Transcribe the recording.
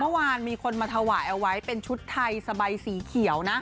เมื่อวานมีคนมาถวายเอาไว้เป็นชุดไทยสบายสีเขียวนะ